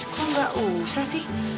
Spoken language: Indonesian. kok gak usah sih